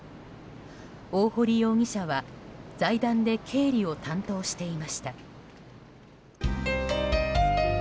大堀容疑者は財団で経理を担当していました。